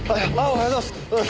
おはようございます。